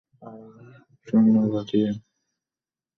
শালায়, horn বাজিয়ে বাজিয়ে plan না গুবলেট করে দেয়।